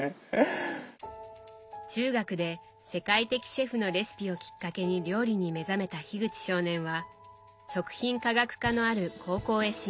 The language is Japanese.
中学で世界的シェフのレシピをきっかけに料理に目覚めた口少年は食品科学科のある高校へ進学。